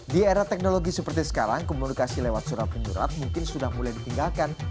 di era teknologi seperti sekarang komunikasi lewat surat penyurat mungkin sudah mulai ditinggalkan